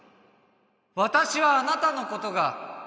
私はあなたのことが